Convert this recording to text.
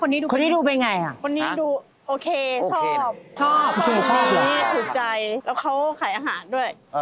คนนี้ดูเป็นอย่างไรล่ะครับฮะโอเคชอบคนนี้ถูกใจแล้วเขาขายอาหารด้วย